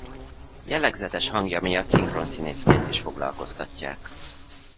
Jellegzetes hangja miatt szinkronszínészként is foglalkoztatják.